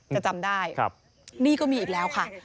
จำได้นี่ก็มีอีกแล้วค่ะ